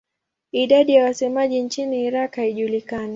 Idadi ya wasemaji nchini Iraq haijulikani.